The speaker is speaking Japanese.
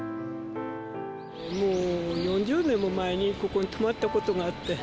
もう４０年も前に、ここに泊まったことがあって。